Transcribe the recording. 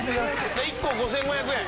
じゃあ１個５５００円。